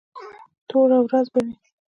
توره ورځ به وي.